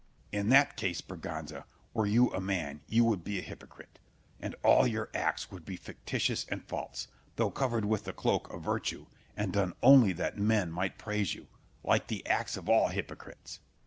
Scip. In that case, Berganza, were you a man you would be a hypocrite, and all your acts would be fictitious and false, though covered with the cloak of virtue, and done only that men might praise you, like the acts of all hypocrites.